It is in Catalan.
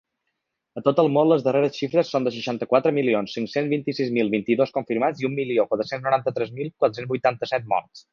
A tot el món, les darreres xifres són de seixanta-quatre milions cinc-cents vint-i-sis mil vint-i-dos confirmats i un milió quatre-cents noranta-tres mil quatre-cents vuitanta-set morts.